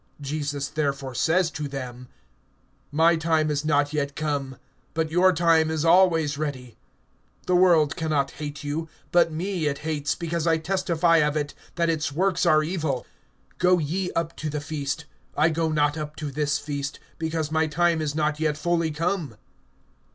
(6)Jesus therefore says to them: My time is not yet come; but your time is always ready. (7)The world can not hate you; but me it hates, because I testify of it, that its works are evil. (8)Go ye up to the feast. I go not up to this feast; because my time is not yet fully come.